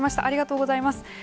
ありがとうございます。